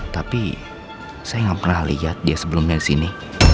tapi saya nggak pernah lihat dia sebelumnya di sini